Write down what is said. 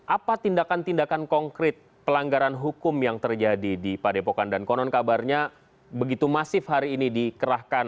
apa tindakan tindakan konkret pelanggaran hukum yang terjadi di padepokan dan konon kabarnya begitu masif hari ini dikerahkan